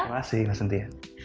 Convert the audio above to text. terima kasih mas nty